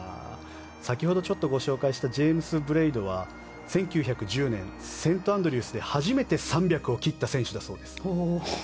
先ほどちょっとご紹介したジェイムス・ブレイドは１９１０年セントアンドリュースで初めて３００を切った選手だそうです。